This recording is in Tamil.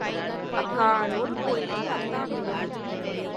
அக்காளோடு போயிற்று, அத்தான் உறவு.